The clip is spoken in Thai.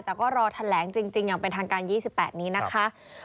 แต่ก็รอแถลงจริงอย่างเป็นทางการ๒๘นี้นะคะ